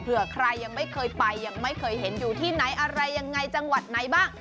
ใครยังไม่เคยไปยังไม่เคยเห็นอยู่ที่ไหนอะไรยังไงจังหวัดไหนบ้าง